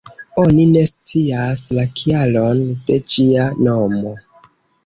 Oni ne scias la kialon de ĝia nomo.